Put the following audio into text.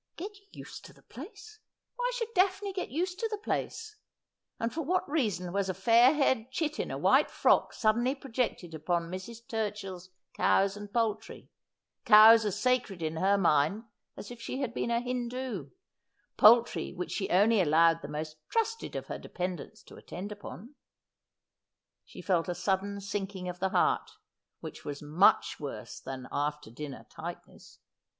Get used to the place ! Why should Daphne get used to the place ? For what reason was a fair haired chit in a white frock suddenly projected upon Mrs. Turchill's cows and poultry — cows as sacred in her mind as if she had been a Hindoo ; poultry which she only allowed the most trusted of her dependents to attend upon ? She felt a sudden sinking of the heart, which was much worse than after dinner tightness.